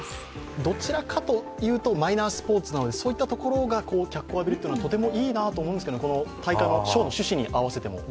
どちらかというとマイナースポーツなのでそういったところが脚光を浴びるというのはとてもいいなと思ったんですけど、この賞の趣旨に合わせても。